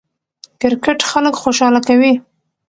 کرکټ خلک خوشحاله کوي.